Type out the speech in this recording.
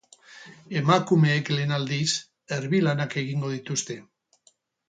Emakumeek lehen aldiz erbi-lanak egingo dituzte.